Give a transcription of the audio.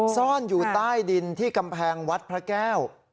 ซ่อนอยู่ใต้ดินที่กำแพงวัดพระแก้ว